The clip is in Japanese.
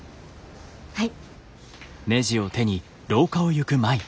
はい。